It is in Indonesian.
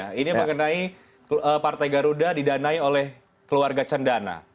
yang terkenai partai garuda didanai oleh keluarga cendana